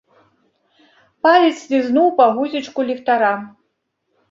Палец слізнуў па гузічку ліхтара.